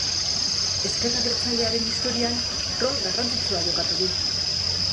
Ezker abertzalearen historian rol garrantzitsua jokatu du.